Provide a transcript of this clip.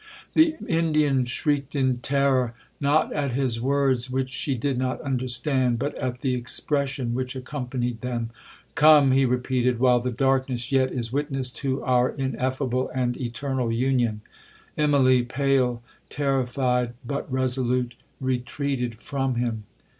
The Indian shrieked in terror, not at his words, which she did not understand, but at the expression which accompanied them. 'Come,' he repeated, 'while the darkness yet is witness to our ineffable and eternal union.' Immalee, pale, terrified, but resolute, retreated from him.